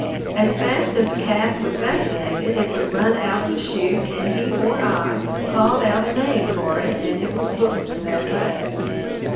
As fast as a calf was vaccinated it was run out of the chute and he or I called out a name for it and it was booked that way.